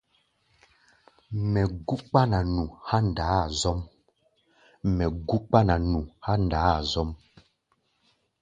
Mɛ gú kpána nu há̧ ndaá-a zɔ́m.